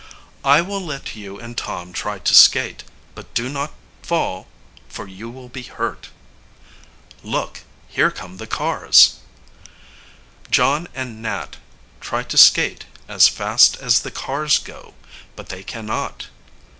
I will let you and Tom try to skate; but do not fall, for you will be hurt. Look! here come the cars. John and Nat try to skate as fast as the cars go, but they can not.